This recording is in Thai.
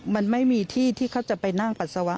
มันไม่มีที่ที่เขาจะไปนั่งปัสสาวะ